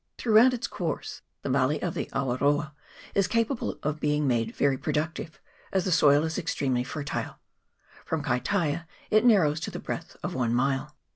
Throughout its course the valley of the Awaroa is capable of being made very productive, as the soil is extremely fertile : from Kaitaia it narrows to the breadth of one mile.